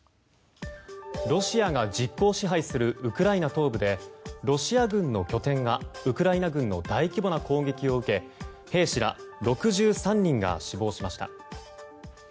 ロシアが実効支配するウクライナ東部でロシア軍の拠点がウクライナ軍の大規模な攻撃を受け兵士ら６３人が死亡しました。